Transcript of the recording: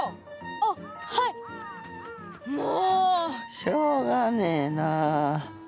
あっはいもうしょうがねえなぁ。